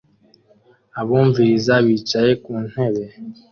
Abumviriza bicaye ku ntebe